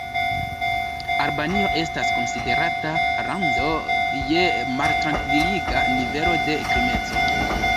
Albanio estas konsiderata lando je maltrankviliga nivelo de krimeco.